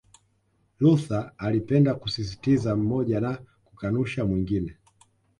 Luther alipenda kusisitiza mmoja na kukanusha mwingine